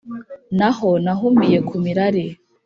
ntaho nahumiye ku mirari